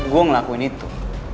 gue ngelakuin itu